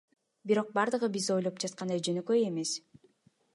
Бирок бардыгы биз ойлоп аткандай жөнөкөй эмес.